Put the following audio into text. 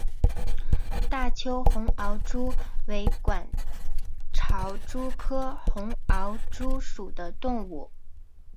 大邱红螯蛛为管巢蛛科红螯蛛属的动物。